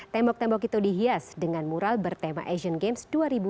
tembok tembok itu dihias dengan mural bertema asian games dua ribu delapan belas